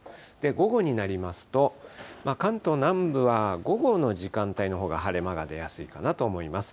午後になりますと、関東南部は、午後の時間帯のほうが晴れ間が出やすいかなと思います。